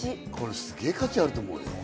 すげぇ価値あると思うよ。